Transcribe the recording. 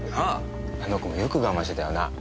あの子もよく我慢してたよな。